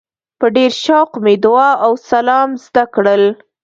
په ډېر شوق مې دعا او سلام زده کړل.